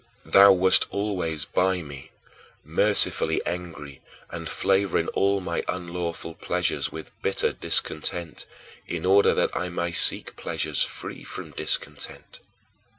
Thou wast always by me, mercifully angry and flavoring all my unlawful pleasures with bitter discontent, in order that I might seek pleasures free from discontent.